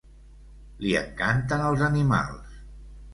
Li encanten els animals.